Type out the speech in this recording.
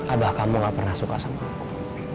abah kamu gak pernah suka sama aku